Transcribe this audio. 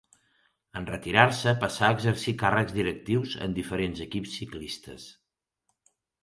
En retirar-se passà a exercir càrrecs directius en diferents equips ciclistes.